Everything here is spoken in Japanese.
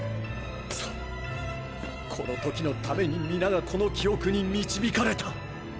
そうこの時のために皆がこの記憶に導かれた。